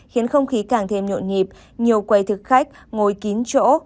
khiến không khí càng thêm nhộn nhịp nhiều quầy thực khách ngồi kín chỗ